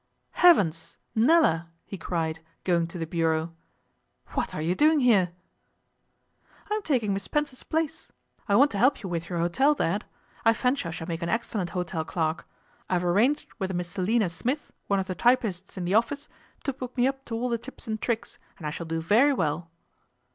'Heavens, Nella!' he cried, going to the bureau. 'What are you doing here?' 'I am taking Mis Spencer's place. I want to help you with your hotel, Dad. I fancy I shall make an excellent hotel clerk. I have arranged with a Miss Selina Smith, one of the typists in the office, to put me up to all the tips and tricks, and I shall do very well.